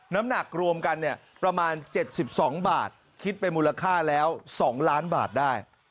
น้ำหนักรวมกันเนี่ยประมาณ๗๒บาทคิดเป็นมูลค่าแล้ว๒ล้านบาทได้